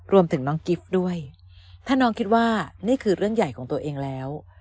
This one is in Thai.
รวมถึงน้องกิฟต์ด้วยถ้าน้องคิดว่านี่คือเรื่องใหญ่ของตัวเองแล้ว